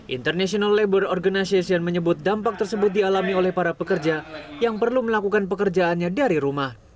international labor organization menyebut dampak tersebut dialami oleh para pekerja yang perlu melakukan pekerjaannya dari rumah